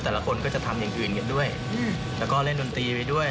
แต่ละคนก็จะทำอย่างอื่นกันด้วยแล้วก็เล่นดนตรีไปด้วย